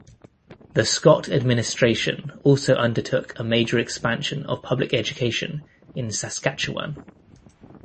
The Scott administration also undertook a major expansion of public education in Saskatchewan.